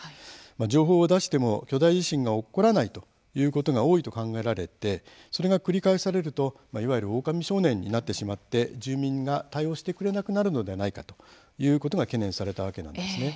情報を出しても巨大地震が起こらないということが多いと考えられてそれが繰り返されるといわゆる「オオカミ少年」になってしまって、住民が対応してくれなくなるのではないか、ということが懸念されたわけなんですね。